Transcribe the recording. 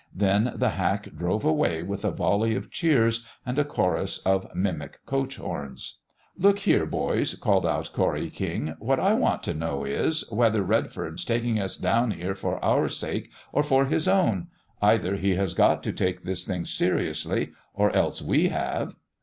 Then the hack drove away with a volley of cheers and a chorus of mimic coach horns. "Look here, boys," called out Corry King, "what I want to know is whether Redfern's taking us down here for our sakes or for his own? Either he has got to take this thing seriously or else we have."